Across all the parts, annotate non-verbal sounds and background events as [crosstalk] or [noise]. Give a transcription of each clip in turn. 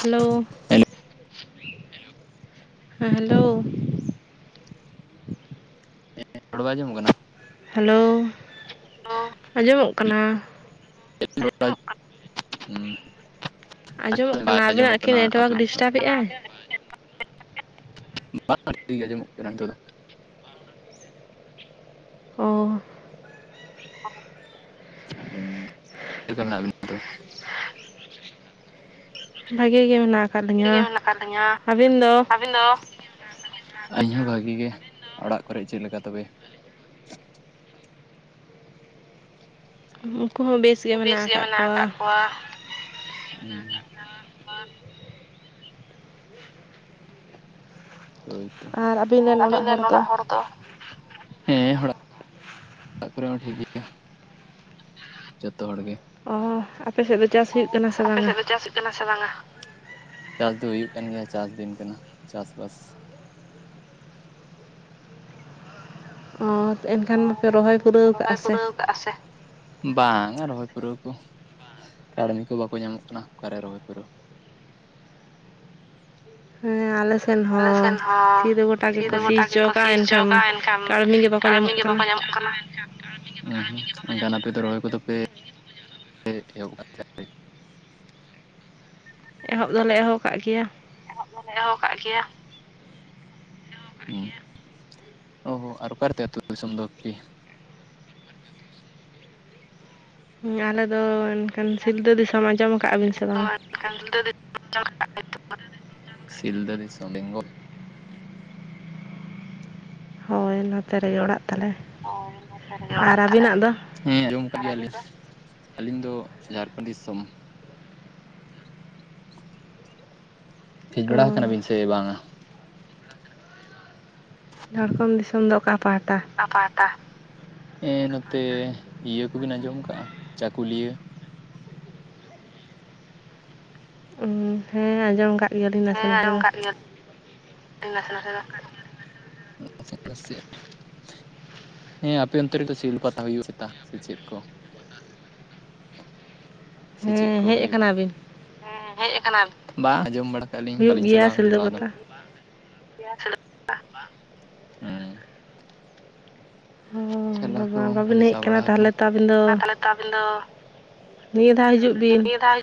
Hello ᱨᱚᱲ hello ᱦᱮᱸ hello [unintelligible] ᱨᱚᱲ ᱵᱟ ᱟᱸᱡᱚᱢᱚᱜ ᱠᱟᱱᱟ? ᱦᱮᱞᱳ ᱟᱸᱡᱚᱢᱚᱜ ᱠᱟᱱᱟ᱾ [unintelligible] ᱟᱸᱡᱚᱢᱚᱜ ᱵᱟᱭ ᱠᱟᱱᱟ ᱟᱸᱡᱚᱢᱚᱜ ᱟᱵᱤᱱᱟᱜ ᱠᱤ ᱠᱟᱱᱟ ᱟᱹᱛᱩ ᱱᱮᱴᱣᱟᱨᱠ ᱫᱤᱥᱚᱢ ᱰᱤᱥᱴᱟᱵ ᱮᱜᱟᱭ [unintelligible] [unintelligible] ᱚᱻ [unintelligible] [unintelligible] ᱵᱷᱟᱜᱮ ᱜᱮ ᱢᱮᱱᱟᱜ ᱟᱠᱟᱫ [unintelligible] ᱞᱤᱧᱟ ᱞᱤᱧᱟᱹ ᱟᱹᱵᱤᱱ ᱫᱚ ᱤᱧ ᱦᱚᱸ ᱵᱷᱟᱜᱤ ᱜᱮ, ᱚᱲᱟᱜ ᱠᱚᱨᱮ ᱪᱮᱫᱞᱮᱠᱟ ᱛᱚᱵᱮ? ᱩᱱᱠᱩ ᱦᱚᱸ ᱵᱮᱥ ᱵᱮᱥ ᱜᱮ ᱢᱮᱱᱟᱜ ᱟᱠᱟᱜ ᱠᱚᱣᱟ᱾ ᱦᱳᱭᱛᱚ, ᱟᱨ ᱟᱹᱵᱤᱱ ᱨᱮᱱ ᱚᱲᱟᱜ ᱦᱚᱲ ᱦᱮᱸ ᱚᱲᱟᱜ ᱚᱲᱟᱜ ᱠᱚᱨᱮ ᱦᱚᱸ ᱴᱷᱤᱠ ᱜᱮᱭᱟ, ᱡᱚᱛᱚ ᱦᱚᱲ ᱜᱮ᱾ ᱚ ᱟᱯᱮ ᱥᱮ ᱫᱚ ᱪᱟᱥ ᱚ ᱦᱩᱭᱩᱜ ᱠᱟᱱᱟ ᱥᱮ ᱟᱯᱮ ᱵᱟᱝᱟ ᱥᱮᱫ ᱫᱚ ᱪᱟᱥ ᱥᱮ ᱵᱟᱝᱟ? ᱪᱟᱥ ᱫᱚ ᱦᱩᱭᱩᱜ ᱠᱟᱱ ᱜᱮᱭᱟ ᱪᱟᱥ ᱫᱤᱱ ᱠᱟᱱᱟ ᱪᱟᱥᱵᱟᱥ ᱦᱚᱸ ᱮᱱᱠᱷᱟᱱ ᱢᱟᱯᱮ ᱨᱚᱦᱚᱭ ᱯᱩᱨᱟᱹᱣ ᱠᱟᱜ-ᱟ ᱥᱮ᱾ [inaudible] ᱵᱟᱝᱟ ᱨᱚᱦᱚᱭ ᱯᱩᱨᱟᱹᱣ ᱠᱚ, ᱠᱟᱹᱲᱢᱤ ᱠᱚ ᱵᱟᱠᱚ ᱧᱟᱢᱚᱜ ᱠᱟᱱᱟ ᱚᱠᱟᱨᱮ ᱨᱚᱦᱚᱭ ᱯᱩᱨᱟᱹᱣ ᱦᱮᱸ ᱟᱞᱮᱥ ᱟᱞᱮ ᱥᱮᱱ ᱦᱚᱸ ᱥᱤ ᱫᱚ ᱜᱚᱴᱟ ᱜᱮᱠᱚ ᱦᱚᱪᱚ ᱥᱤ ᱠᱟᱜᱼᱟ ᱦᱚᱪᱚ ᱮᱱᱠᱷᱟᱱ ᱟᱠᱟ-ᱟ ᱮᱱᱠᱷᱟᱱ ᱠᱟᱹᱲᱢᱤ ᱜᱮ ᱵᱟᱠᱚ ᱠᱟᱹᱲᱢᱤ ᱧᱟᱢᱚᱜ ᱜᱮ ᱵᱟᱠᱚ ᱧᱟᱢᱚᱜ ᱠᱟᱱᱟ᱾ ᱦᱮᱸ ᱦᱮᱸ ᱮᱱᱠᱷᱟᱱ ᱟᱯᱮ ᱫᱚ ᱨᱚᱦᱚᱭ ᱠᱚᱫᱚ ᱯᱮ ᱮᱦᱚᱵ ᱥᱮ? ᱮᱦᱚᱵ ᱫᱚᱞᱮ ᱮᱦᱚᱵ ᱠᱟᱫ ᱜᱮᱭᱟ᱾ ᱨᱚᱦᱚᱭ ᱞᱮ ᱮᱦᱚᱵ ᱠᱟᱫ ᱜᱮᱭᱟ᱾ ᱦᱩᱸ ᱚ ᱦᱳ ᱟᱨ ᱚᱠᱟᱛᱮ ᱟᱛᱩ ᱫᱤᱥᱚᱢ ᱫᱚ ᱵᱤᱴᱤ? ᱟᱞᱮ ᱫᱚ ᱮᱱᱠᱷᱟᱱ ᱥᱤᱞᱫᱟᱹ ᱫᱤᱥᱚᱢ ᱟᱸᱡᱚᱢ ᱟᱠᱟᱜ-ᱟ ᱵᱤᱱ ᱥᱮ ᱵᱟᱝᱟ? [inaudible] ᱥᱤᱞᱫᱟᱹ ᱫᱤᱥᱚᱢ ᱵᱮᱱᱜᱚᱞ ᱦᱳᱭ ᱱᱚᱛᱮ ᱨᱮᱜᱮ ᱚᱲᱟᱜ ᱛᱟᱞᱮ᱾ ᱦᱳᱭ ᱚᱱᱟᱛᱮ ᱨᱮᱜᱮ ᱟᱨ ᱚᱲᱟᱜ ᱛᱟᱞᱮ᱾ ᱟᱹᱵᱤᱱᱟᱜ ᱫᱚ ᱦᱮᱸ ᱟᱸᱡᱚᱢ ᱟᱠᱟᱫ ᱜᱮᱭᱟᱞᱤᱧ ᱟᱹᱞᱤᱧ ᱫᱚ ᱡᱷᱟᱲᱠᱷᱚᱸᱰ ᱫᱤᱥᱚᱢ᱾ ᱦᱮᱡ ᱚ ᱵᱟᱲᱟ ᱟᱠᱟᱱᱟ ᱵᱤᱱ ᱥᱮ ᱵᱟᱝᱟ? ᱡᱷᱟᱲᱠᱷᱚᱸᱰ ᱫᱤᱥᱚᱢ ᱫᱚ ᱚᱠᱟ ᱯᱟᱦᱟᱴᱟ? [inaudible] ᱦᱮᱸ ᱱᱚᱛᱮ ᱤᱭᱟᱹ ᱠᱚᱵᱤᱱ ᱟᱸᱡᱚᱢ ᱟᱠᱟᱟᱜ-ᱟ ᱪᱟᱠᱩᱞᱤᱭᱟᱹ? ᱦᱮᱸ ᱟᱸᱡᱚᱢ ᱟᱠᱟᱫ ᱜᱮᱭᱟᱞᱤᱧ ᱱᱟᱥᱮ ᱦᱮᱸ ᱱᱟᱥᱮ ᱟᱸᱡᱚᱢ ᱫᱚ᱾ ᱠᱟᱜ ᱜᱮᱭᱟᱞᱤᱧ ᱱᱟᱥᱮ ᱱᱟᱥᱮ ᱱᱟᱮ ᱫᱚ ᱦᱮᱸ ᱟᱯᱮ ᱚᱱᱛᱮ ᱨᱮᱫᱚ ᱥᱤᱞᱫᱟᱹ ᱯᱟᱛᱟ ᱦᱩᱭᱩᱜ ᱪᱮᱛᱟ ᱥᱮ ᱪᱮᱫ ᱠᱚ? ᱥᱮ ᱪᱮᱫ ᱦᱮᱸ ᱠᱚ ᱦᱮᱡ ᱦᱩᱭᱩᱜᱼᱟ? ᱟᱠᱟᱱᱟ ᱵᱤᱱ? ᱵᱟᱝ ᱟᱸᱡᱚᱢ ᱵᱟᱲᱟ ᱠᱟᱜ ᱞᱤᱧ ᱦᱩᱭᱩᱜ ᱵᱟᱹᱞᱤᱧ ᱜᱮᱭᱟ ᱪᱟᱞᱟᱣ ᱠᱟᱱᱟ ᱥᱤᱞᱫᱟᱹ ᱪᱟᱞᱟᱣ ᱫᱚ᱾ ᱯᱟᱛᱟ ᱦᱩᱸ ᱚ ᱪᱟᱞᱟᱣ ᱠᱚ ᱵᱟᱵᱟ ᱵᱟᱹᱵᱤᱱ ᱵᱟᱞᱮ ᱦᱮᱡ ᱪᱟᱞᱟᱣ ᱠᱟᱱᱟ ᱵᱟᱲᱟ ᱟᱠᱟᱱᱟ᱾ ᱛᱟᱦᱚᱞᱮ ᱛᱚ ᱟᱹᱵᱤᱱ ᱫᱚ ᱢᱟ ᱛᱟᱦᱚᱞᱮ ᱛᱚ ᱟᱵᱤᱱ ᱫᱚ ᱱᱤᱭᱟᱹ ᱫᱷᱟᱣ ᱦᱤᱡᱩᱜ ᱵᱤᱱ? ᱱᱤᱭᱟᱹ ᱫᱷᱟᱣ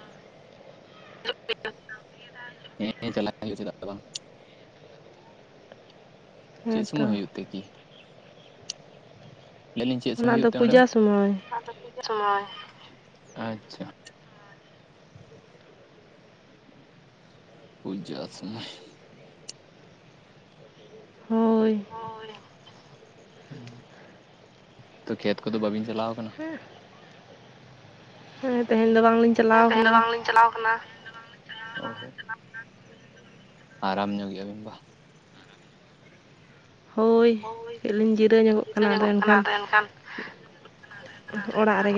ᱦᱮᱸ ᱪᱟᱞᱟᱜ ᱟᱹᱞᱤᱧ ᱪᱮᱫᱟᱜ ᱵᱟᱝ, ᱪᱮᱫ ᱦᱮᱸ ᱛᱚ ᱥᱚᱢᱚᱭ ᱦᱩᱭᱩᱜ ᱛᱮ ᱠᱤ ᱞᱟᱹᱭᱫᱤᱧ ᱪᱮᱫ ᱥᱚᱢᱚᱭ ᱚᱱᱟ ᱦᱩᱭᱩᱜ ᱛᱮ ᱚᱸᱰᱮ ᱫᱚ? ᱯᱩᱡᱟᱹ ᱥᱚᱢᱚᱭ [unintelligible] ᱟᱪᱪᱷᱟ ᱯᱩᱡᱟ ᱥᱚᱭᱚᱭ, ᱦᱳᱭ ᱛᱚ ᱠᱷᱮᱛ ᱠᱚᱫᱚ ᱵᱟᱹᱵᱤᱱ ᱪᱟᱞᱟᱣ ᱠᱟᱱᱟ? ᱦᱮᱸᱛᱮᱦᱮᱧ ᱫᱚ ᱵᱟᱝᱞᱤᱧ ᱦᱸ ᱪᱟᱞᱟᱣ ᱛᱮᱦᱮᱧ ᱠᱟᱱᱟ ᱵᱟᱝᱞᱤᱧ ᱪᱟᱞᱟᱣ ᱠᱟᱱᱟ᱾ ᱚ ᱟᱨᱟᱢ ᱧᱚᱜ ᱜᱮᱭᱟ ᱵᱤᱱ ᱵᱟᱼᱼ ᱦᱳᱭ ᱠᱟᱹᱡᱞᱤᱤᱧ ᱡᱤᱨᱟᱹᱣ ᱧᱚᱜᱚᱜ ᱠᱟᱱᱟ ᱟᱫᱚ ᱮᱱ ᱠᱷᱟᱱ ᱢᱮᱱ ᱠᱷᱟᱱ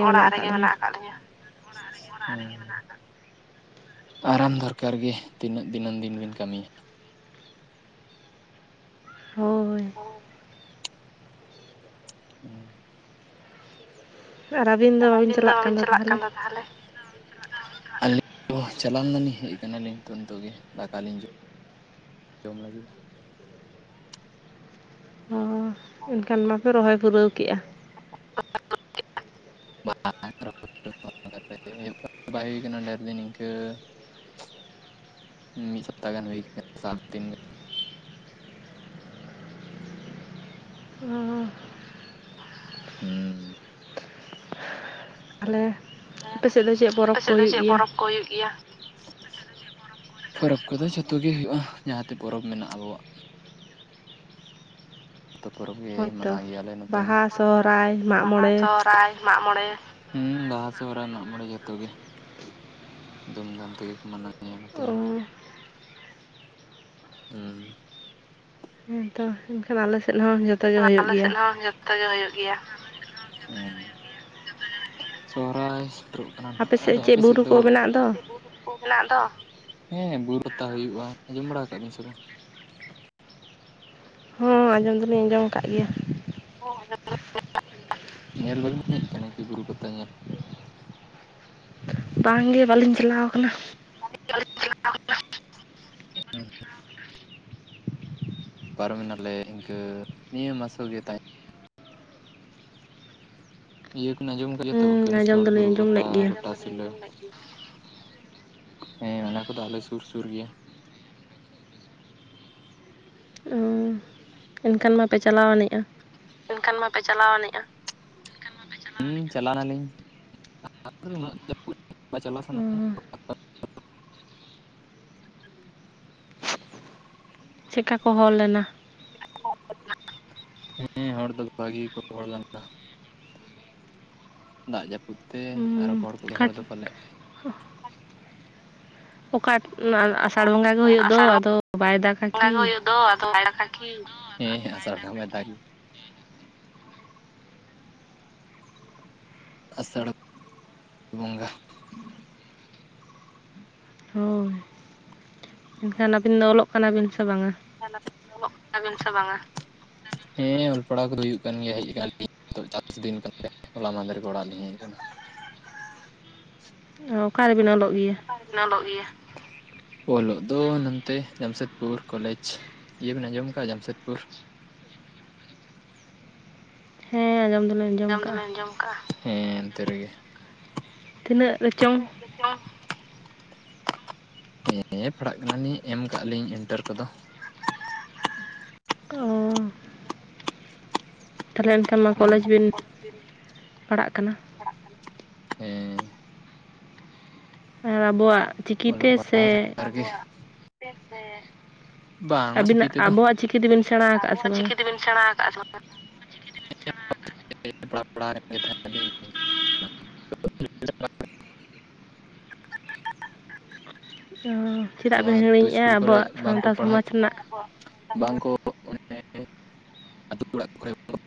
ᱚᱲᱟᱜ ᱨᱮᱜᱮ ᱢᱮᱱᱟᱜ ᱟᱠᱟᱫ ᱞᱤᱧᱟᱹ ᱚᱲᱟᱜ ᱨᱮᱜᱮ ᱢᱮᱱᱟᱜ ᱟᱠᱟᱜᱼᱼ ᱟᱨᱟᱢ ᱫᱚᱨᱠᱟᱨ ᱜᱮ ᱛᱤᱱᱟᱹᱜ ᱫᱤᱱᱟᱹᱢ ᱫᱤᱱ ᱵᱤᱱ ᱠᱟᱹᱢᱤᱭᱟ᱾ ᱦᱳᱭ ᱦᱳᱭ ᱦᱮᱸ ᱥᱟᱨᱟ ᱫᱤᱱ ᱫᱚᱵᱤᱱ ᱪᱟᱞᱟᱜ ᱠᱟᱱ ᱫᱚ ᱛᱟᱦᱚᱞᱮ? ᱟᱹᱞᱤᱧ ᱫᱚ ᱪᱟᱞᱟᱣ ᱞᱮᱱᱟᱞᱤᱧ ᱦᱮᱡ ᱠᱟᱱᱟᱞᱤᱧ ᱱᱤᱛ ᱱᱤᱛᱚᱜ ᱜᱮ ᱫᱟᱠᱟ ᱞᱤᱧ ᱡᱚᱢᱼᱼ ᱡᱚᱢ ᱞᱟᱹᱜᱤᱫ᱾ ᱚ ᱮᱱᱠᱷᱟᱱ ᱢᱟᱯᱮ ᱨᱚᱦᱚᱭ ᱯᱩᱨᱟᱹᱣ ᱠᱮᱜᱼᱟ᱾ [unintelligible] [unintelligible] ᱵᱟᱭ ᱦᱩᱭ ᱟᱠᱟᱱᱟ ᱰᱷᱮᱨ ᱫᱤᱱ ᱤᱱᱠᱟᱹᱼᱼ ᱢᱤᱫ ᱥᱟᱯᱛᱟ ᱜᱟᱱ ᱦᱩᱭ ᱟᱠᱟᱱᱟ ᱥᱟ ᱫᱤᱱ᱾ ᱜᱟᱱ ᱚ ᱦᱩᱸ ᱟᱞᱮᱼᱼ ᱦᱮ ᱟᱯᱮ ᱥᱮᱫ ᱫᱚ ᱪᱮᱫ ᱯᱚᱨᱚᱵᱽ ᱠᱚ ᱦᱩᱭᱩᱜ ᱜᱮᱭᱟ? ᱯᱚᱨᱚᱵᱽ ᱠᱚᱫᱚ ᱡᱚᱛᱚ ᱜᱮ ᱦᱩᱭᱩᱜᱼᱟ ᱡᱟᱦᱟᱸᱛᱮ ᱯᱚᱨᱚᱵᱽ ᱢᱮᱱᱟᱜᱼᱟ ᱟᱵᱚᱣᱟᱜ᱾ ᱡᱚᱛᱚ ᱯᱚᱨᱚᱵᱽ ᱜᱮ ᱦᱳᱭᱛᱚ ᱢᱟᱱᱟᱣ ᱜᱮᱭᱟᱞᱮ ᱱᱚᱛᱮ ᱦᱚᱸ ᱵᱟᱦᱟ ᱦᱚᱭᱛᱳ ᱥᱚᱦᱨᱟᱭ ᱢᱟᱜ ᱵᱟᱦᱟ ᱢᱚᱬᱮ ᱥᱚᱦᱨᱟᱭ᱾ ᱢᱟᱜ ᱢᱚᱬᱮ ᱦᱮᱸ ᱵᱟᱦᱟ ᱥᱚᱦᱨᱟᱭ ᱢᱟᱜᱽ ᱢᱚᱬᱮ ᱡᱚᱛᱚ ᱜᱮ᱾ ᱫᱷᱩᱢᱫᱷᱟᱢ ᱛᱮᱜᱮ ᱠᱚ ᱢᱟᱱᱟᱣᱮᱜ-ᱟ ᱱᱚᱛᱮ ᱚ ᱦᱚᱸ ᱦᱩᱸ ᱦᱮᱸ ᱛᱚ ᱮᱱᱠᱷᱟᱱ ᱟᱞᱮ ᱥᱮᱫ ᱦᱚᱸ ᱡᱚᱛᱚ ᱜᱮ ᱦᱩᱭᱩᱜ ᱟᱞᱮ ᱥᱮᱫ ᱜᱮᱭᱟ᱾ ᱦᱚᱸ ᱡᱚᱛᱚ ᱜᱮ ᱦᱩᱭᱩᱜ ᱜᱮᱭᱟ ᱦᱩ ᱥᱚᱦᱨᱟᱭ ᱥᱮᱴᱮᱨᱚᱜᱼᱼ ᱠᱟᱱᱟ ᱱᱟᱦᱟᱸᱜ ᱟᱫᱚ ᱟᱯᱮ ᱪᱮᱫ ᱥᱮᱫ ᱵᱩᱨᱩ ᱫᱚ [unintelligible] ᱠᱚ ᱢᱮᱱᱟᱜ ᱫᱚ [unintelligible] ᱦᱮᱸ ᱵᱩᱨᱩ ᱯᱟᱛᱟ ᱦᱩᱭᱩᱜᱼᱟ ᱟᱸᱡᱚᱢ ᱵᱟᱲᱟ ᱠᱟᱜ ᱵᱤᱱ ᱥᱮ ᱵᱟᱝ? ᱦᱚᱸ ᱟᱸᱡᱚᱢ ᱫᱚᱞᱤᱧ ᱟᱸᱡᱚᱢ ᱟᱠᱟᱫ ᱜᱮᱭᱟ᱾ [unintelligible] ᱧᱮᱞ ᱵᱟᱵᱤᱱ ᱦᱮᱡ ᱟᱠᱟᱱᱟ ᱵᱩᱨᱩ ᱯᱟᱛᱟ ᱧᱮᱞ? ᱵᱟᱝ ᱜᱮ ᱵᱟᱹᱞᱤᱧ ᱪᱟᱞᱟᱣ ᱠᱟᱱᱟ᱾ [unintelligible] ᱦᱩᱢ ᱯᱟᱨᱚᱢᱮᱱᱟᱞᱮ ᱤᱱᱠᱟᱹ ᱱᱤᱭᱟᱹ ᱢᱟᱥᱚ ᱜᱮ ᱛᱟᱭᱚᱢᱼᱼ ᱤᱭᱟᱹ ᱠᱚᱧ ᱟᱸᱡᱚᱢ ᱠᱮᱫ ᱜᱮ ᱛᱚ ᱦᱩᱸ ᱟᱸᱡᱚᱢ ᱠᱟᱹᱢᱤᱥᱚᱞ ᱵᱩᱨᱩ ᱫᱚᱞᱤᱧ ᱟᱸᱡᱚᱢ ᱯᱟᱛᱟ ᱞᱮᱫ ᱜᱮᱭᱟ ᱜᱚᱴᱟ ᱥᱤᱞᱟᱹ ᱦᱮᱸ ᱚᱱᱟ ᱠᱚᱫᱚ ᱟᱞᱮ ᱥᱩᱨ ᱥᱩᱨ ᱜᱮᱭᱟ᱾ ᱚ ᱮᱱᱠᱷᱟᱱ ᱢᱟᱯᱮ ᱪᱟᱞᱟᱣ ᱟᱹᱱᱤᱡᱼᱟ? ᱮᱱᱠᱷᱟᱱ ᱢᱟᱯᱮ ᱪᱟᱞᱟᱣ ᱟᱹᱱᱤᱡᱼᱟ? ᱦᱮᱸ ᱪᱟᱞᱟᱣ ᱱᱟᱞᱤᱧ ᱩᱱᱟᱹᱜ [unintelligible] ᱪᱟᱞᱟᱣ ᱚ ᱥᱟᱱᱟ ᱠᱟᱱᱟ᱾ ᱪᱮᱫ ᱠᱟ ᱠᱚ ᱦᱚᱲ ᱞᱮᱱᱟ? [unintelligible] ᱦᱮᱸ ᱦᱚᱲ ᱫᱚ ᱵᱷᱟᱹᱜᱤ ᱠᱚ ᱦᱚᱲ ᱞᱮᱱᱟ᱾ ᱫᱟᱜ ᱡᱟᱹᱯᱩᱫ ᱛᱮ ᱟᱨᱚ ᱦᱚᱲ ᱠᱚᱜᱮ ᱦᱚᱲ ᱫᱚ ᱠᱟᱹᱴᱤᱡ ᱯᱟᱞᱮᱫ᱾ ᱚᱠᱟ ᱟᱥᱟᱲ ᱵᱚᱸᱜᱟ ᱜᱮ ᱦᱩᱭᱩᱜ ᱫᱚ ᱟᱥᱟᱲ ᱟᱫᱚ ᱵᱟᱭ ᱫᱟᱜᱟ ᱠᱤ? [unintelligible] ᱦᱮᱸ ᱟᱥᱟᱲ ᱵᱚᱜᱟ ᱫᱟᱜᱽ [unintelligible] ᱵᱚᱸᱜᱟ᱾ ᱦᱳᱭ ᱮᱱᱠᱷᱟᱱ ᱟᱹᱵᱤᱱ ᱫᱚ ᱚᱞᱚᱜ ᱠᱟᱱᱟᱵᱤᱱ ᱥᱮ ᱵᱟᱝ-ᱟ? [unintelligible] ᱠᱟᱱᱟᱵᱤᱱ ᱥᱮ ᱵᱟᱝ-ᱟ? ᱦᱮᱸ ᱚᱞ ᱯᱟᱲᱦᱟᱣ ᱠᱚᱫᱚ ᱦᱩᱭᱩᱜ ᱠᱟᱱ ᱜᱮᱭᱟ [inaudible] ᱦᱚᱞᱟ ᱢᱟᱫᱷᱮᱨ ᱜᱮ ᱚᱲᱟᱜ ᱞᱤᱧ ᱦᱮᱡ ᱠᱟᱱᱟ᱾ ᱚ ᱚᱠᱟᱨᱮ ᱵᱤᱱ ᱚᱞᱚᱜ ᱜᱮᱭᱟ? ᱚᱠᱟ ᱨᱮᱵᱤᱱ ᱚᱞᱚᱜ ᱜᱮᱭᱟ? ᱚᱞᱚᱜ ᱫᱚ ᱱᱚᱱᱛᱮ ᱡᱟᱢᱥᱮᱫᱽᱯᱩᱨ ᱠᱚᱞᱮᱡᱽ ᱤᱭᱟᱹ ᱵᱮᱱ ᱟᱸᱡᱚᱢ ᱟᱠᱟᱜ ᱡᱟᱢᱥᱮᱫᱽᱯᱩᱨ? ᱦᱮᱸ ᱟᱡᱚᱢ ᱫᱚᱞᱤ ᱡᱚᱢ ᱫᱚᱞᱮᱢ ᱡᱚᱢ ᱠᱟᱜᱼᱟ ᱦᱮᱸ ᱮᱱᱛᱮ ᱨᱮᱜᱮ᱾ ᱛᱤᱱᱟᱹᱜ ᱨᱮᱪᱚᱝ? ᱨᱮᱪᱟ, [inaudible] ᱯᱟᱲᱦᱟᱜ ᱠᱟᱱᱟᱞᱤᱧ ᱮᱢ ᱠᱟᱜᱼᱟ ᱞᱤᱧ ᱤᱱᱴᱟᱨ ᱠᱚᱫᱚ᱾ ᱚ ᱛᱟᱦᱞᱮ ᱮᱱᱠᱷᱟᱱ ᱢᱟ ᱠᱚᱞᱮᱡᱽ ᱵᱤᱱ ᱯᱟᱲᱟᱜ ᱠᱟᱱᱟ᱾ ᱦᱮᱸ ᱟᱨ ᱟᱵᱚᱣᱟᱜ, ᱪᱤᱠᱤᱛᱮ ᱥᱮ [inaudible] ᱵᱟᱝ ᱪᱤᱠᱤ ᱟᱹᱵᱤᱱᱟᱜ ᱛᱮᱫᱚ, ᱟᱵᱚᱣᱟᱜ ᱪᱤᱠᱤ ᱛᱮᱵᱤᱱ ᱥᱮᱬᱟ ᱟᱠᱟᱫᱼᱟ ᱥᱮ ᱟᱵᱚᱣᱟᱜ ᱵᱟᱝᱟ ᱪᱤᱠᱤ ᱛᱮᱵᱤᱱ ᱥᱮᱬᱟ ᱠᱟᱜᱼᱟ ᱥᱮ ᱵᱟᱝ [inaudible] ᱦᱩᱸ ᱪᱤ ᱱᱚᱣᱟ ᱟᱹᱛᱩ ᱤᱥᱠᱩᱞ ᱠᱚᱨᱮ ᱵᱟᱝᱠᱚ ᱯᱟᱲᱦᱟᱣᱮᱫ ᱨᱮᱱᱟᱜ ᱵᱟᱝᱠᱚ [inaudible]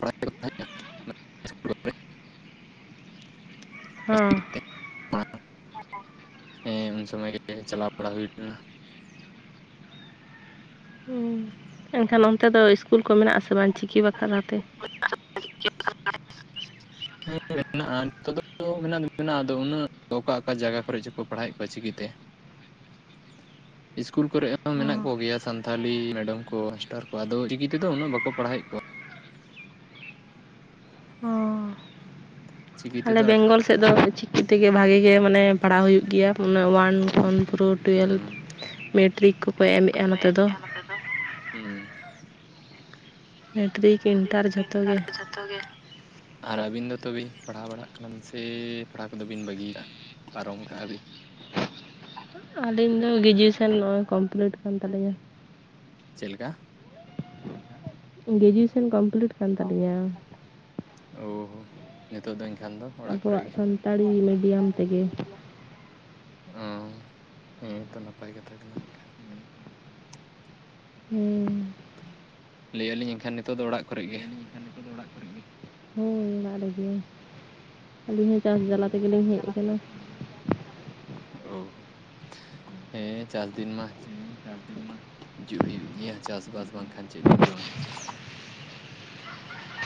ᱯᱟᱲᱦᱟᱣᱮᱫ ᱠᱚ ᱛᱟᱦᱮᱸᱫ ᱦᱚᱸ ᱦᱮᱸ ᱩᱱ ᱥᱚᱢᱚᱭ ᱜᱮ ᱪᱟᱞᱟᱣ ᱵᱟᱲᱟ ᱦᱩᱭ ᱞᱮᱱᱟ᱾ ᱦᱩᱸ ᱮᱱᱠᱷᱟᱱ ᱚᱱᱛᱮ ᱫᱚ ᱤᱥᱠᱩᱞ ᱠᱚ ᱢᱮᱱᱟᱜ ᱟᱥᱮ ᱵᱟᱝ ᱪᱤᱠᱤ ᱵᱟᱠᱷᱨᱟ ᱟᱛᱮ? [inaudible] [inaudible] ᱚᱠᱟ ᱚᱠᱟ ᱡᱟᱜᱟ ᱠᱚᱨᱮ ᱪᱚᱠᱚ ᱯᱟᱲᱦᱟᱣᱮᱜ ᱠᱚᱣᱟ ᱪᱤᱠᱤᱛᱮ᱾ ᱤᱥᱠᱩᱞ ᱠᱚᱨᱮᱜ ᱦᱚᱸ ᱢᱮᱱᱟᱜ ᱚ ᱠᱚ ᱜᱮᱭᱟ ᱥᱟᱱᱛᱷᱟᱞᱤ ᱢᱮᱰᱟᱢ ᱠᱚ ᱢᱟᱥᱴᱟᱨ ᱠᱚ ᱟᱫᱚ ᱪᱤᱠᱤ ᱛᱮᱫᱚ ᱩᱱᱟᱹᱜ ᱵᱟᱠᱚ ᱯᱟᱲᱦᱟᱣᱮᱜ ᱠᱚᱣᱟ᱾ ᱚ ᱪᱤᱠᱤ ᱟᱞᱮ ᱛᱮᱫᱚ ᱵᱮᱝᱜᱚᱞ ᱥᱮᱜ ᱫᱚ ᱪᱤᱠᱤ ᱛᱮᱜᱮ ᱵᱷᱟᱜᱮ ᱜᱮ ᱢᱟᱱᱮ ᱯᱟᱲᱦᱟᱣ ᱦᱩᱭᱩᱜ ᱜᱮᱭᱟ ᱚᱱᱟᱹ ᱳᱭᱟᱱ ᱠᱷᱚᱱ ᱯᱨᱳ ᱴᱩᱭᱮᱞᱵᱷ ᱢᱮᱴᱨᱤᱠ ᱠᱚ ᱴᱤᱨᱤᱠ ᱠᱚᱠᱚ ᱮᱢᱮᱜᱼᱟ ᱱᱚᱛᱮ ᱫᱚ᱾ ᱢᱮᱴᱤᱨᱤᱠ [unintelligible] ᱡᱷᱚᱛᱚ ᱜᱮ᱾ ᱟᱨ ᱟᱹᱵᱤᱱ ᱫᱚ ᱛᱚᱵᱤ ᱯᱟᱲᱦᱟᱣ ᱵᱟᱲᱟᱜ ᱠᱟᱱᱟ ᱵᱤᱱ ᱥᱮ ᱯᱟᱲᱦᱟᱣ ᱠᱚᱫᱚ ᱵᱤᱱ ᱵᱟᱹᱜᱤ-ᱮᱟ? ᱯᱟᱨᱚᱢ ᱠᱟᱜᱼᱟ ᱵᱤᱱ? ᱟᱹᱞᱤᱧ ᱫᱚ ᱜᱤᱡᱩᱭᱮᱥᱚᱱ ᱱᱚᱜᱼᱚᱭ ᱠᱚᱢᱯᱞᱤᱴ ᱠᱟᱱ ᱛᱟᱞᱤᱧᱟ᱾ ᱪᱮᱜ ᱞᱮᱠᱟ? ᱜᱮᱡᱩᱭᱮᱥᱚᱱ ᱠᱚᱢᱯᱞᱤᱴ ᱠᱟᱱ ᱛᱟᱞᱤᱧᱟ᱾ ᱳ ᱦᱳ ᱱᱤᱛᱳᱜ ᱫᱚ ᱤᱧ ᱠᱷᱟᱱ ᱫᱚ ᱚᱲᱟᱜ ᱠᱚᱨᱮ ᱟᱵᱚᱣᱟᱜ ᱜᱮ ᱥᱟᱱᱛᱟᱲᱤ ᱢᱤᱰᱤᱭᱟᱢ ᱛᱮᱜᱮ᱾ ᱚ ᱦᱮᱸ ᱛᱚ ᱱᱟᱯᱟᱭ ᱠᱟᱛᱷᱟ ᱠᱟᱱᱟ᱾ ᱮᱱᱠᱷᱟᱱ ᱦᱩᱸ᱾ ᱞᱟᱹᱭ-ᱮᱟ ᱟᱹᱞᱤᱧ ᱮᱱᱠᱷᱟᱱ ᱱᱤᱛᱚᱜ ᱫᱚ ᱚᱲᱟᱜ ᱠᱚᱨᱮᱜ ᱜᱮ? ᱦᱳᱭ ᱚᱲᱟᱜ ᱨᱮᱜᱮ ᱟᱹᱞᱤᱧ ᱦᱚᱸ ᱪᱟᱥ ᱡᱟᱞᱟ ᱦᱩᱸ ᱛᱮᱜᱮᱞᱤᱧ ᱦᱮᱡ ᱠᱟᱱᱟ᱾ ᱳ ᱦᱳ ᱦᱮᱸ ᱪᱟᱥ ᱫᱤᱱ ᱢᱟ᱾ ᱡᱩᱜ ᱦᱩᱭᱩᱜ ᱜᱮᱭᱟ ᱪᱟᱥᱵᱟᱥ ᱵᱟᱝᱠᱷᱟᱱ ᱪᱮᱜ ᱵᱤᱱ ᱡᱚᱢᱟ᱾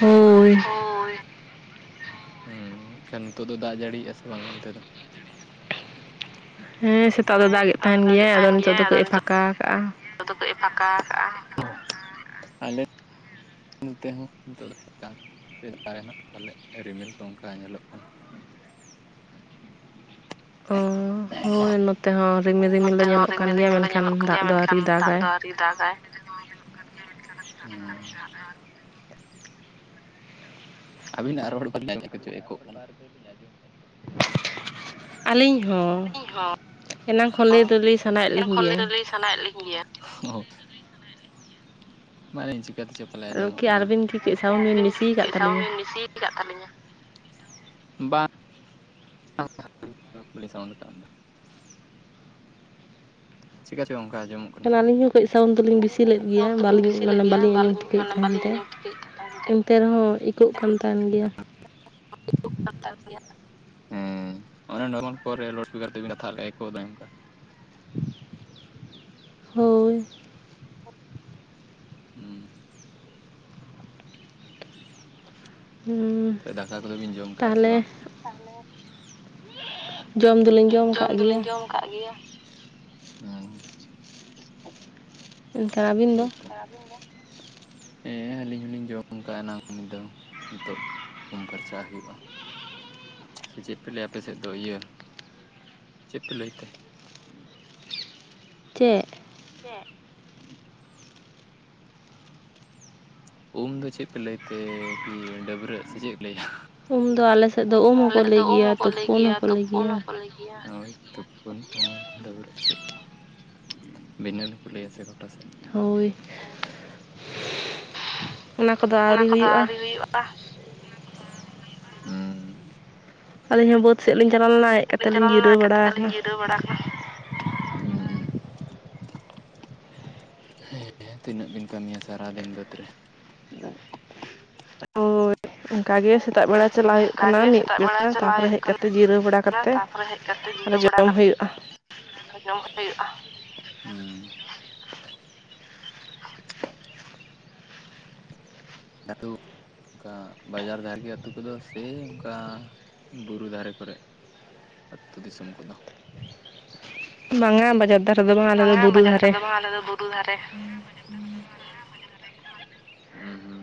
ᱦᱳᱭ ᱦᱳᱭ᱾ ᱦᱩᱸ ᱮᱱᱠᱷᱟᱱ ᱱᱮᱛᱳᱜ ᱫᱚ ᱫᱟᱜ ᱡᱟᱹᱲᱤᱭᱮᱜᱼᱟ ᱥᱮ ᱵᱟᱝ ᱚᱱᱛᱮ ᱫᱚ? ᱦᱮᱸ ᱥᱮᱛᱟᱜ ᱫᱚ ᱦᱮᱸ ᱫᱟᱜ ᱮᱫ ᱥᱮᱛᱟᱜ ᱫᱚ ᱛᱟᱦᱮᱸᱱ ᱫᱟᱜᱮᱫ ᱜᱮᱭᱟᱭ ᱟᱫᱚ ᱛᱟᱦᱮᱱ ᱱᱤᱛᱚᱜ ᱫᱚ ᱠᱟᱹᱡ ᱮ ᱱᱤᱛᱚᱜ ᱯᱷᱟᱸᱠᱟᱣ ᱟᱠᱟᱜᱼᱟ᱾ ᱟᱫᱚ ᱠᱟᱹᱡ ᱮ ᱯᱷᱟᱸᱠᱟᱣ ᱟᱠᱟᱜᱼᱟ ᱦᱮ ᱞᱮ ᱱᱚᱱᱛᱮ ᱦᱚᱸ [inaudible] ᱨᱤᱢᱤᱞ ᱠᱚ ᱚᱱᱠᱟ ᱧᱮᱞᱚᱜ ᱠᱟᱱᱟ᱾ ᱚᱻ, [unintelligible] ᱱᱚᱛᱮ ᱦᱚᱸ ᱠᱟᱱ ᱨᱤᱢᱤᱞ ᱜᱮᱭᱟ ᱨᱤᱢᱤᱞ ᱫᱚ ᱧᱮᱞᱚᱜ ᱢᱮᱱᱠᱷᱟᱱ ᱠᱟᱱ ᱫᱟᱜ ᱜᱮᱭᱟ ᱫᱚ ᱢᱮᱱᱠᱷᱟᱱ ᱟᱹᱣᱨᱤ ᱫᱟᱜ ᱫᱟᱜᱟᱭ ᱫᱚ ᱟᱹᱣᱨᱤ ᱫᱟᱜ ᱟᱭ ᱩᱸ᱾ ᱟᱹᱵᱤᱱᱟᱜ ᱨᱚᱲ [inaudible] ᱮᱠᱳᱜ ᱠᱟᱱᱟ᱾ ᱟᱹᱞᱤᱧ ᱦᱚᱸ ᱤᱧ ᱦᱚᱸ ᱮᱱᱟᱝ ᱠᱷᱚᱱ ᱞᱟᱹᱭ ᱫᱚ ᱞᱟᱹᱭ ᱥᱟᱱᱟᱭᱮᱫ ᱮᱱᱟᱝ ᱞᱤᱧ ᱠᱷᱚᱱ ᱞᱟᱹᱭ ᱜᱮᱭᱟ᱾ ᱫᱚ ᱞᱟᱹᱭ ᱥᱟᱱᱟᱭᱮᱫ ᱞᱤᱠᱩ ᱜᱮᱭᱟ ᱚᱦᱚ ᱟᱢᱟᱜ ᱡᱟᱹᱱᱤᱡ ᱪᱤᱠᱟᱹ ᱛᱮᱪᱚ ᱯᱟᱞᱮ ᱟᱫᱚ ᱟᱸᱡᱚᱢᱚᱜ ᱠᱤ ᱠᱟᱱᱟ ᱟᱹᱵᱤᱱ ᱠᱤ ᱠᱟᱹᱡ ᱜᱚᱝᱠᱮ ᱥᱟᱣᱩᱱᱰ ᱵᱤᱱ ᱟᱨᱵᱤᱱ ᱠᱤ ᱵᱮᱥᱤ ᱟᱠᱟᱫ ᱪᱤᱜ ᱥᱟᱩᱱ ᱛᱟᱹᱞᱤᱧᱟ ᱵᱤᱱ ᱵᱤᱥᱤ ᱡᱟᱜ ᱛᱟᱞᱤᱧᱟ ᱵᱟ [unintelligible] ᱪᱤᱠᱠᱟ. ᱪᱚᱨ ᱚᱝᱠᱟ ᱟᱡᱚᱢᱚᱜ ᱟᱹᱞᱤᱧ ᱦᱚᱸ ᱠᱟᱹᱡ ᱥᱟᱣᱩᱱᱰ ᱫᱚᱞᱤᱧ ᱵᱤᱥᱤ ᱞᱮᱫ ᱜᱮᱭᱟ, ᱵᱤᱥᱤ ᱞᱮᱫ ᱢᱟᱱᱮ ᱜᱮᱭᱟ ᱵᱟᱹᱞᱤᱧ ᱟᱸᱡᱚᱢ ᱴᱷᱤᱠᱟ ᱢᱟᱱᱮ ᱛᱟᱦᱮᱫ ᱵᱟᱹᱞᱤᱧ ᱛᱮ᱾ ᱟᱸᱡᱚᱢ ᱴᱷᱤᱠᱟᱹ ᱛᱮ ᱨᱮᱦᱚᱸ ᱤᱠᱚᱹᱜ ᱠᱟᱱ ᱛᱟᱦᱮᱱ ᱜᱮᱭᱟ᱾ [inaudible] ᱦᱮᱸ ᱚᱱᱮ ᱱᱚᱨᱢᱟᱞ ᱠᱳᱞ ᱨᱮ ᱞᱳᱰ ᱥᱯᱤᱠᱟᱨ ᱛᱮᱵᱤᱱ ᱠᱟᱛᱷᱟ ᱞᱮᱜ-ᱟ ᱚᱱᱠᱟ? ᱦᱳᱭ ᱦᱩᱸ ᱾ ᱦᱩᱸ, ᱫᱟᱠᱟ ᱠᱚᱫᱚ ᱵᱤᱱ ᱡᱚᱢ ᱠᱟᱜᱼᱟ ᱥᱮ ᱛᱟᱦᱚᱞᱮ ᱵᱟᱝ? ᱡᱚᱢ ᱫᱚᱞᱤᱧ ᱡᱚᱢ ᱟᱠᱟᱫ ᱜᱮᱭᱟ ᱫᱚᱞᱤᱧ ᱡᱚᱢ ᱠᱟᱜ ᱜᱮᱭᱟ᱾ ᱦᱩᱸ ᱮᱱᱠᱷᱟᱱ ᱟᱹᱵᱤᱱ ᱫᱚ ᱦᱚᱭ ᱛᱚ ᱟᱨ ᱟᱵᱤᱱ ᱫᱚ? ᱦᱮᱸ ᱟᱹᱞᱤᱧ ᱦᱚᱞᱤᱧ ᱡᱚᱢ ᱠᱟᱟᱜ ᱮᱱᱟᱝ ᱫᱚ ᱱᱤᱛᱚᱜ ᱩᱢ ᱯᱷᱟᱨᱪᱟ ᱦᱩᱭᱩᱜᱼᱟ᱾ ᱪᱮᱫ ᱯᱮ ᱞᱟᱹᱭᱟ ᱟᱯᱮ ᱥᱮᱫ ᱫᱚ ᱤᱭᱟᱹ ᱪᱮᱫ ᱯᱮ ᱞᱟᱹᱭ ᱛᱮ? [inaudible] ᱪᱮᱫ? ᱪᱮᱫ? ᱩᱢ ᱫᱚ ᱪᱮᱫ ᱯᱮ ᱞᱟᱹᱭ ᱛᱮ ᱠᱤ ᱰᱟᱹᱵᱽᱨᱟᱹᱜ ᱥᱮ ᱪᱮᱫ ᱯᱮ ᱞᱟᱹᱭᱟ? ᱩᱢ ᱫᱚ ᱟᱞᱮ ᱥᱮᱫ ᱫᱚ ᱩᱢ ᱟᱞᱮ ᱦᱚᱸᱠᱚ ᱫᱚ ᱞᱟᱹᱭ ᱩᱢ ᱜᱮᱭᱟ ᱦᱚᱸᱠᱚ ᱞᱟᱹᱭ ᱛᱩᱯᱩᱱ ᱜᱮᱭᱟ ᱦᱚᱸᱠᱚ ᱞᱟᱹᱭ ᱛᱳᱯᱳᱱ ᱜᱮᱭᱟ ᱦᱚᱸᱠᱚ ᱞᱟᱹᱭ ᱜᱮᱭᱟ᱾ ᱛᱩᱯᱩᱱ ᱦᱩ ᱰᱟᱹᱵᱨᱟᱹᱜ ᱵᱷᱤᱱᱟᱹ ᱜᱮᱠᱚ ᱞᱟᱭᱟ ᱜᱚᱴᱟ ᱥᱮᱫ᱾ ᱦᱳᱭ ᱚᱱᱟ ᱠᱚᱫᱚ ᱟᱹᱣᱨᱤ ᱦᱩᱭᱩᱜᱼᱟ᱾ ᱟᱹᱞᱤᱧ ᱦᱚᱸ ᱵᱟᱹᱫ ᱥᱮᱫ ᱞᱤᱧ ᱪᱟᱞᱟᱣ ᱟᱹᱞᱤᱧ ᱦᱚᱸ ᱞᱮᱱᱟ ᱵᱟ. ᱫᱽ ᱦᱮᱡ ᱥᱮᱫ ᱞᱤᱧ ᱠᱟᱛᱮᱫ ᱪᱟᱞᱟᱣ ᱡᱤᱨᱟᱹᱣ ᱞᱮᱱᱟ ᱴᱟᱴᱠᱟᱹ ᱵᱟᱲᱟ ᱞᱤᱧ ᱟᱠᱟᱱᱟ ᱡᱤᱨᱟᱹᱣ ᱵᱟᱲᱟ ᱠᱟᱱᱟ᱾ ᱦᱮᱸ ᱛᱤᱱᱟᱹᱜ ᱵᱤᱱ ᱠᱟᱹᱢᱤᱭᱟ ᱥᱟᱨᱟᱫᱤᱱ ᱵᱟᱹᱫᱽ ᱨᱮ᱾ ᱚᱱᱠᱟ ᱜᱮ ᱥᱮᱛᱟᱜ ᱵᱮᱲᱟ ᱪᱟᱞᱟᱜ ᱦᱩᱭᱩᱜ ᱚᱱᱠᱟ ᱠᱟᱱᱟ ᱜᱮ ᱢᱤᱫ ᱥᱮᱛᱟᱜ ᱵᱮᱲᱟ ᱛᱟᱯᱚᱨᱮ ᱦᱮᱡ ᱠᱟᱛᱮᱜ ᱡᱤᱨᱟᱹᱣ ᱵᱟᱲᱟ ᱠᱟᱛᱮᱜ, ᱚᱲᱟᱜ ᱦᱮᱡ ᱠᱟᱛᱮ ᱡᱤᱨᱟᱹᱣ ᱵᱟᱲᱟ ᱠᱟᱛᱮᱫ ᱡᱚᱢ ᱦᱩᱭᱩᱜᱼᱟ ᱦᱩ᱾ [unintelligible] ᱚᱱᱠᱟ ᱵᱟᱡᱟᱨ [unintelligible] ᱟᱹᱛᱩ ᱠᱚᱫᱚ ᱥᱮ ᱚᱱᱠᱟ ᱵᱩᱨᱩ ᱫᱷᱟᱨᱮ ᱠᱚᱨᱮ? ᱟᱹᱛᱩ ᱫᱤᱥᱚᱢ ᱠᱚᱫᱚ? ᱵᱟᱝᱟ ᱵᱟᱡᱟᱨ ᱫᱷᱟᱨᱮ ᱫᱚ ᱵᱟᱝᱟ ᱟᱞᱮ ᱫᱚ ᱵᱩᱨᱩ ᱵᱟᱡᱟᱨ ᱫᱷᱟᱨᱮ᱾ ᱫᱚ ᱵᱟᱝ [unintelligible]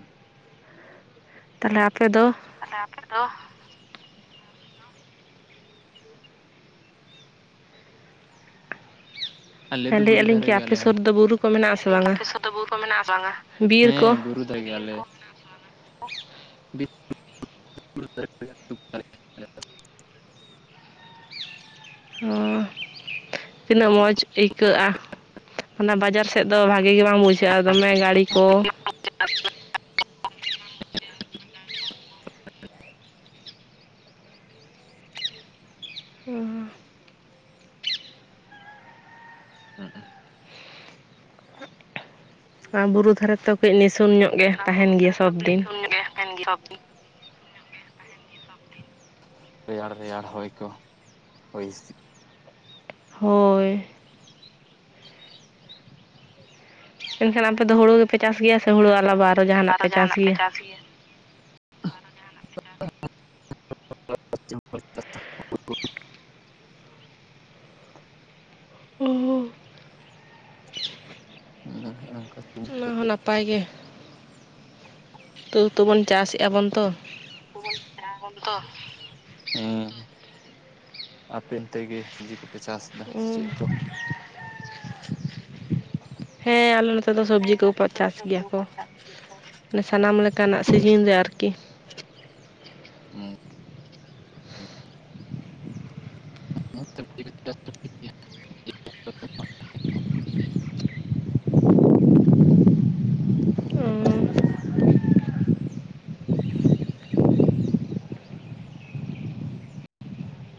ᱛᱟᱦᱚᱞᱮ ᱟᱯᱮ ᱫᱚ? ᱛᱟᱦᱞᱮ ᱟᱯᱮ ᱫᱚ? ᱟᱞᱮ ᱫᱚ ᱦᱮᱸ ᱵᱩᱨᱩ ᱞᱟᱹᱭᱮᱫᱼᱟ ᱞᱤᱧ ᱫᱷᱟᱨᱮ ᱠᱤ ᱜᱮ ᱟᱯᱮ ᱟᱞᱮ ᱥᱩᱨ ᱦᱚᱸᱞᱟ. ᱨᱮᱫᱚ ᱵᱩᱨᱩ ᱠᱚ ᱭ ᱢᱮᱱᱟᱜ ᱮᱜ ᱟ. ᱟᱥᱮ ᱞᱤᱧ ᱵᱟᱝᱟ ᱟᱯᱮ ᱥᱮᱫ ᱫᱚ ᱵᱩᱨᱩ ᱢᱮᱱᱟᱜ ᱟ ᱥᱮ ᱵᱟᱝᱟ? ᱵᱤᱨ ᱠᱚ ᱦᱮᱸᱵᱩᱨᱩ [inaudible] ᱦᱚᱸ ᱛᱤᱱᱟᱹᱜ ᱢᱚᱡᱽ ᱟᱹᱭᱠᱟᱹᱜᱼᱟ ᱚᱱᱟ ᱵᱟᱡᱟᱨ ᱥᱮᱜ ᱫᱚ ᱵᱷᱟᱜᱤ ᱜᱮ ᱵᱟᱝ ᱵᱩᱡᱷᱟᱹᱜᱼᱟ ᱫᱚᱢᱮ ᱜᱟ ᱲᱤ ᱠᱚ ᱟᱸ ᱵᱩᱨᱩ ᱫᱷᱟᱨᱮ ᱛᱚᱵᱮ ᱱᱤᱥᱩᱱ ᱧᱚᱜ ᱜᱮ ᱛᱟᱦᱮᱱ ᱜᱮᱭᱟ ᱥᱚᱵᱫᱤᱱ᱾ [inaudible] ᱨᱮᱭᱟᱲ ᱨᱮᱭᱟᱲ ᱦᱚᱭ ᱠᱚ ᱦᱚᱭ ᱦᱤᱸᱥᱤᱫ᱾ ᱦᱳᱭ᱾ ᱮᱱᱠᱷᱟᱱ ᱟᱯᱮ ᱫᱚ ᱦᱳᱲᱳ ᱜᱮᱯᱮ ᱪᱟᱥ ᱜᱮᱭᱟ ᱥᱮ ᱦᱳᱲᱳ ᱟᱞᱟᱵᱟ ᱟᱨᱚ ᱡᱟᱦᱟᱱᱟᱜ ᱯᱮ ᱪᱟᱥ ᱜᱮᱭᱟ? [inaudible] [inaudible] [inaudible] [unintelligible] ᱚᱱᱟ ᱦᱚᱸ ᱱᱟᱯᱟᱭ ᱜᱮ ᱛᱚᱵᱩ ᱛᱚᱵᱚᱱ ᱪᱟᱥᱮᱜᱼᱟ ᱵᱚᱱ ᱛᱚ᱾ [unintelligible] ᱦᱮᱸ ᱟᱯᱮ ᱚᱱᱛᱮ ᱜᱮ ᱥᱚᱵᱽᱡᱤ ᱠᱚᱯᱮ ᱪᱟᱥᱫᱟ ᱥᱮ ᱪᱮᱜ ᱠᱚ? ᱦᱮᱸ ᱟᱞᱮ ᱱᱚ ᱛᱮ ᱫᱚ ᱥᱚᱵᱽᱡᱤ ᱠᱚᱠᱚ ᱪᱟᱥ ᱜᱮᱭᱟ ᱠᱚ ᱥᱟᱱᱟᱢ ᱞᱮᱠᱟᱱᱟᱜ ᱥᱤᱡᱤᱱ ᱨᱮ ᱟᱨᱠᱤ᱾ [inaudible] ᱚ